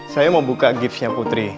saya mau buka gipsnya putri